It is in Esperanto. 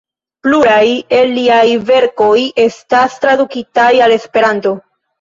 Pluraj el liaj verkoj estas tradukitaj al Esperanto.